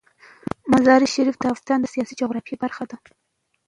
مزارشریف د افغانستان د سیاسي جغرافیه برخه ده.